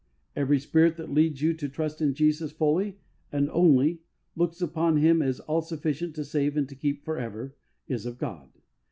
Every spirit that leads you to trust in Jesus fully and only, and looks upon Him as all sufficient to save and to keep for ever, is of God.